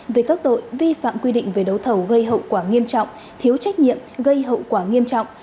về các tội vi phạm quy định về đấu thầu gây hậu quả nghiêm trọng thiếu trách nhiệm gây hậu quả nghiêm trọng